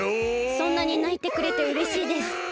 そんなにないてくれてうれしいです。